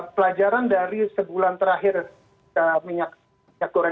pelajaran dari sebulan terakhir minyak goreng